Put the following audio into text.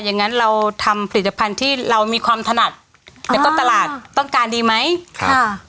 อย่างงั้นเราทำผลิตภัณฑ์ที่เรามีความถนัดแล้วก็ตลาดต้องการดีไหมค่ะ